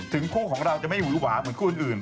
ถึงคู่ของเราจะไม่อยู่หรือหัวเหมือนคู่อื่น